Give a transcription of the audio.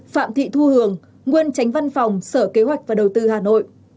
sáu phạm thị thu hường nguyên tránh văn phòng sở kế hoạch và đầu tư hà nội